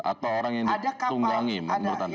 atau orang yang ditunggangi menurut anda